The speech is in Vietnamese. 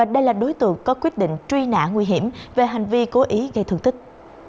đây là đối tượng có quyết định truy nã nguy hiểm về hành vi cố ý gây thương tích